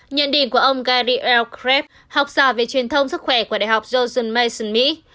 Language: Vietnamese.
nhận định của ông gary l kreb học giả về truyền thông sức khỏe của đại học johnson mason mỹ